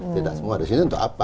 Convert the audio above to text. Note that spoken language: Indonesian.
tidak semua di sini untuk apa